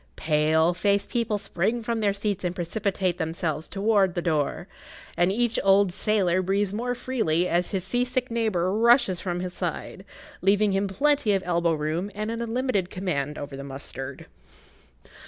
Pale faced people spring from their seats and precipitate themselves towards the door, and each old sailor breathes more freely as his sea sick neighbour rushes from his side, leaving him plenty of elbow room and an unlimited command over the mustard.